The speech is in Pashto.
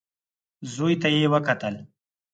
زوی ته يې وکتل.